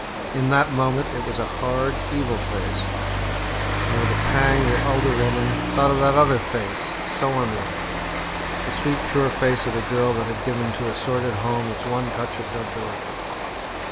In that moment it was a hard, evil face, and with a pang the elder woman thought of that other face, so like, yet so unlike the sweet pure face of a girl that had given to a sordid home its one touch of nobility.